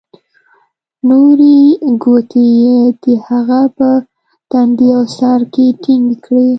نورې گوتې يې د هغه په تندي او سر کښې ټينگې کړې.